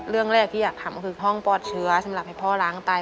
เรื่องแรกที่อยากทำคือห้องปลอดเชื้อสำหรับให้พ่อล้างไต